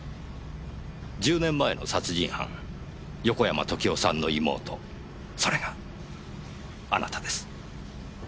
１０年前の殺人犯横山時雄さんの妹それがあなたです。